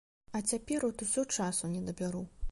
А цяпер от усё часу не дабяру.